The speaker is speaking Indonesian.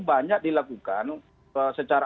banyak dilakukan secara